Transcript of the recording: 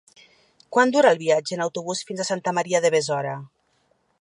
Quant dura el viatge en autobús fins a Santa Maria de Besora?